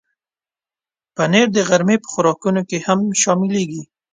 پنېر د غرمې په خوراکونو کې هم شاملېږي.